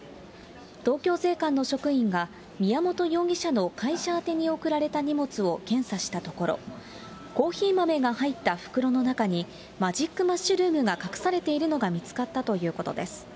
東京税関の職員が、宮本容疑者の会社宛てに送られた荷物を検査したところ、コーヒー豆が入った袋の中に、マジックマッシュルームが隠されているのが見つかったということです。